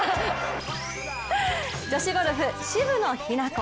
女子ゴルフ、渋野日向子。